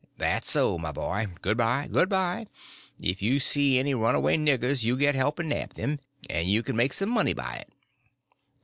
"That's so, my boy—good bye, good bye. If you see any runaway niggers you get help and nab them, and you can make some money by it."